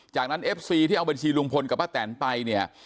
จากนั้นเอฟซีที่เอาบัญชีลุงพลกับป้าแตนไปเนี่ย